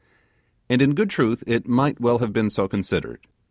And in good truth it might well have been so considered.